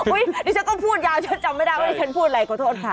ดิฉันก็พูดยาวฉันจำไม่ได้ว่าดิฉันพูดอะไรขอโทษค่ะ